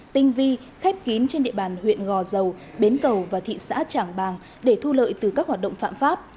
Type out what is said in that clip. tinh vi khép kín trên địa bàn huyện gò dầu bến cầu và thị xã trảng bàng để thu lợi từ các hoạt động phạm pháp